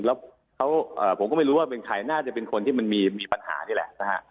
แล้วผมก็ไม่รู้ว่าเป็นใครน่าจะเป็นคนที่มันมีปัญหานี่แหละนะฮะ